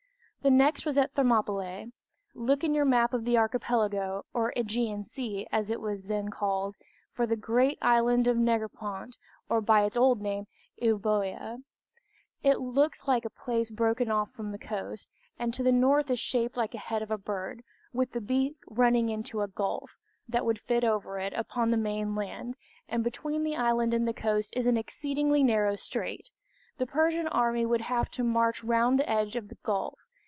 The next was at Thermopylć. Look in your map of the Archipelago, or Ćgean Sea, as it was then called, for the great island of Negropont, or by its old name, Euboea. It looks like a piece broken off from the coast, and to the north is shaped like the head of a bird, with the beak running into a gulf, that would fit over it, upon the main land, and between the island and the coast is an exceedingly narrow strait. The Persian army would have to march round the edge of the gulf.